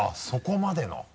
そこまでの？